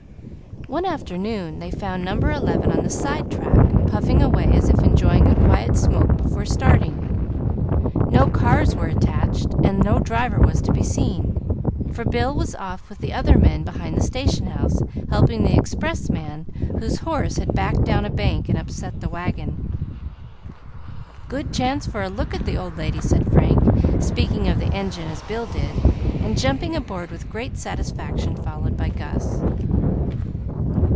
One afternoon they found No. 11 on the side track, puffing away as if enjoying a quiet smoke before starting. No cars were attached, and no driver was to be seen, for Bill was off with the other men behind the station house, helping the expressman, whose horse had backed down a bank and upset the wagon. "Good chance for a look at the old lady," said Frank, speaking of the engine as Bill did, and jumping aboard with great satisfaction, followed by Gus.